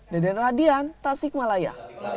deden radian tasikmalaya